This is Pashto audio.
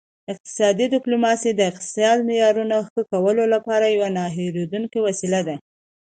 اقتصادي ډیپلوماسي د اقتصادي معیارونو ښه کولو لپاره یوه نه هیریدونکې وسیله ده